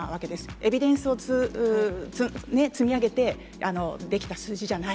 エビデンスを積み上げてできた数字じゃない。